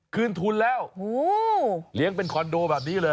คืนทุนแล้วเลี้ยงเป็นคอนโดแบบนี้เลย